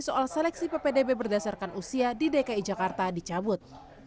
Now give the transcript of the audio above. soal seleksi ppdb berdasarkan usia di dki jakarta dicabut